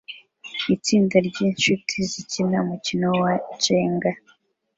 Itsinda ryinshuti zikina umukino wa Jenga